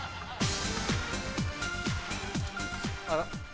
あら。